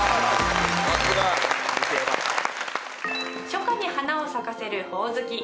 初夏に花を咲かせるホオズキ。